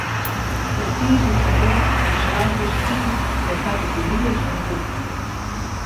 Op tiisdeitemoarn besoargje se iten by partikulieren oan hûs.